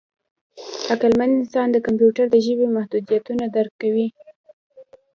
عقلمن انسان د کمپیوټر د ژبې محدودیتونه درک کوي.